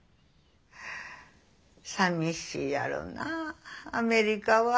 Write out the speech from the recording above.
さみしいやろなアメリカは。